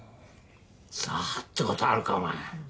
「さあ」って事あるかお前。